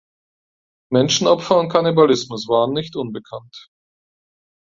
Menschenopfer und Kannibalismus waren nicht unbekannt.